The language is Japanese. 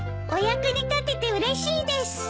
お役に立ててうれしいです。